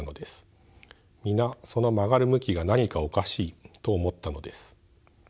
皆その曲がる向きが何かおかしいと思ったのです。